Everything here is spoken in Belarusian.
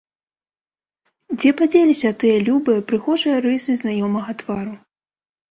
Дзе падзеліся тыя любыя, прыгожыя рысы знаёмага твару?